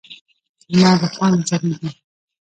لمر روښانه ځلیږی